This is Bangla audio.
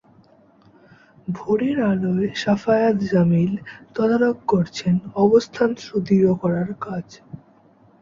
ভোরের আলোয় শাফায়াত জামিল তদারক করছেন অবস্থান সুদৃঢ় করার কাজ।